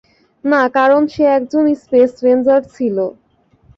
না, কারণ, সে একজন স্পেস রেঞ্জার ছিলো।